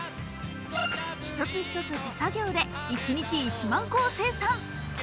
一つ一つ手作業で一日１万個を生産。